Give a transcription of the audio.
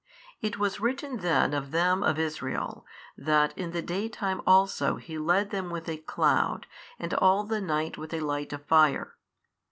It was written then of them of Israel, that in the daytime also He led them with a cloud and all the night with a light of fire.